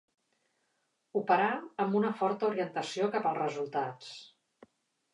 Operar amb una forta orientació cap als resultats.